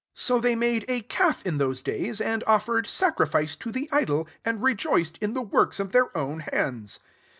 41 So hey made a calf in those days, Dd offered sacrifice to the idol, nd rejoiced in the works of heir own hands.